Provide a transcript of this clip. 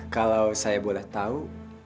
kalau saya boleh tahu